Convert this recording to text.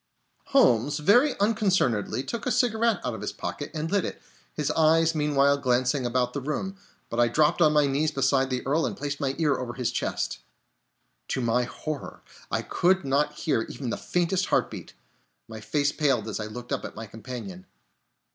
Holmes very unconcernedly took a cigarette out of his pocket and lit it, his eyes meanwhile glancing about the room; but I dropped on my knees beside the Earl and placed my ear over his chest. To my horror, I could not hear even the faintest heart beat. My face paled as I looked up at my companion.